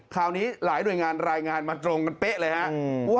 คราวนี้หลายหน่วยงานรายงานมาตรงกันเป๊ะเลยครับ